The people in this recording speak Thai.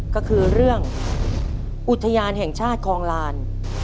ก็คือเรื่องอุทยานแห่งชาติคลองลาน